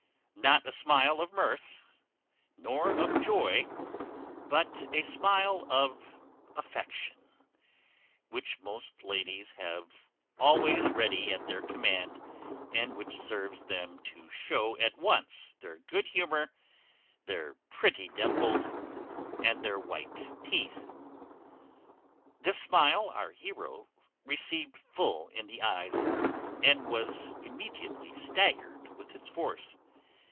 Not a smile of mirth, nor of joy; but a smile of affection, which most ladies have always ready at their command, and which serves them to show at once their good humour, their pretty dimples, and their white teeth. "This smile our heroe received full in his eyes, and was immediately staggered with its force.